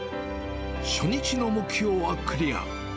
初日の目標はクリア。